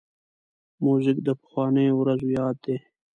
موزیک د پخوانیو ورځو یاد دی.